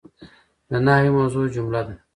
د نحوي موضوع جمله ده.